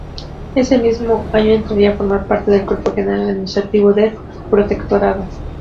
Ese mismo año entraría a formar parte del Cuerpo General Administrativo del Protectorado.